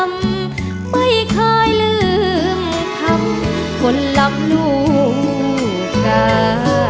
ไม่ค่อยลืมคำคนรับหนุ่มกา